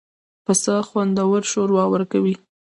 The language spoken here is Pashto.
پسه خوندور شوروا ورکوي.